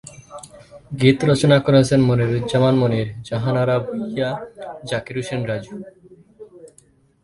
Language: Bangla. গীত রচনা করেছেন মনিরুজ্জামান মনির, জাহানারা ভূঁইয়া, জাকির হোসেন রাজু।